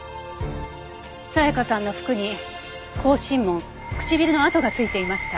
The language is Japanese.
沙也加さんの服に口唇紋唇の跡が付いていました。